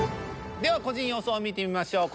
では個人予想を見てみましょう。